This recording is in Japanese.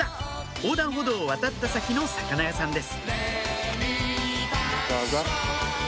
横断歩道を渡った先の魚屋さんです